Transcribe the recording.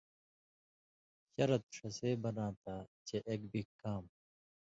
شرط ݜسے بناں تھہ چے ایک بِگ کام